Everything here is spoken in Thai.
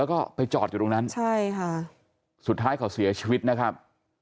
แล้วก็ไปจอดอยู่ตรงนั้นใช่ค่ะสุดท้ายเขาเสียชีวิตนะครับ